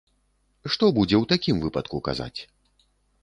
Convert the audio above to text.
Што будзе ў такім выпадку казаць?